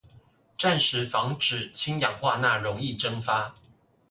暫時防止氫氧化鈉溶液蒸發